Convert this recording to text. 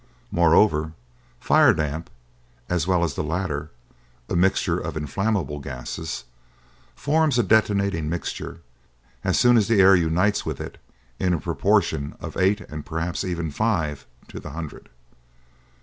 Moreover, fire damp, as well as the latter, a mixture of inflammable gases, forms a detonating mixture as soon as the air unites with it in a proportion of eight, and perhaps even five to the hundred.